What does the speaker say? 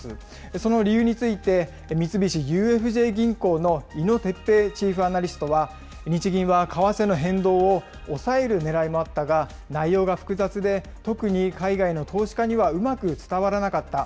その理由について、三菱ＵＦＪ銀行の井野鉄兵チーフアナリストは、日銀は為替の変動を抑えるねらいもあったが、内容が複雑で特に海外の投資家にはうまく伝わらなかった。